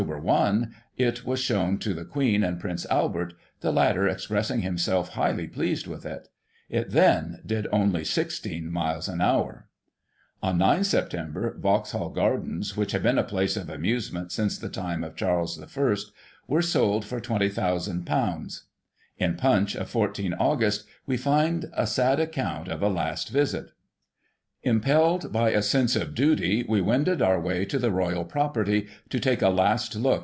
i it was shown to the Queen and Prince Albert, the latter expressing himself highly pleased with it. It then only did 16 miles an hour. On 9 Sep. Vauxhall Gardens, which had been a place of amusement since the time of Charles I., were sold for ;6'20,ooo. In Punch of 14 Aug. we find a sad account of a last visit :" Impelled by a sense of duty, we wended our way to the 'Royal property,'* to take a last look.